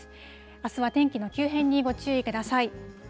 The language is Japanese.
あすは天気の急変にご注意ください。